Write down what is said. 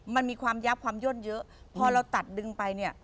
มันมีความยับความย่นเยอะพอเราตัดดึงไปเนี่ย